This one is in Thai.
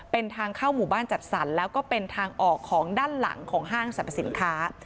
เป็นทางเข้าหมู่บ้านจัดสรรแล้วก็เป็นทางออกของด้านหลังของห้างสรรพสินค้า